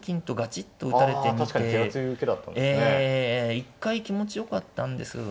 一回気持ちよかったんですけど。